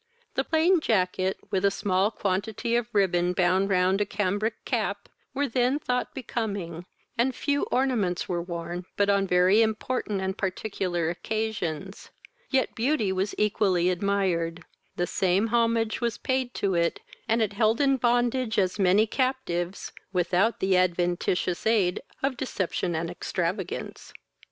The plain jacket, with a small quantity of ribbon bound round a cambric cap, were then thought becoming, and few ornaments were worn but on very important and particular occasions; yet beauty was equally admired: the same homage was paid to it, and it held in bondage as many captives, without the adventitious aid of deception and extravagance.